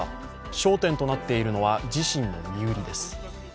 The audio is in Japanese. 焦点となっているのは自身の身売りです。